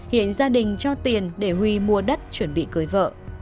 hiện gia đình cho tiền để huy mua đất chuẩn bị cưới vợ